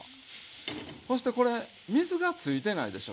そしてこれ水がついてないでしょ。